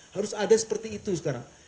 harus ada seperti itu sekarang